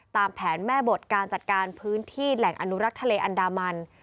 ตามแผนแม่บทการจัดการพื้นที่แหล่งอนุรักษ์ทะเลอันดามัน